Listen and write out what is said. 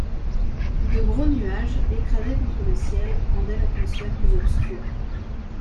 De gros nuages, écrasés contre le ciel, rendaient l’atmosphère plus obscure.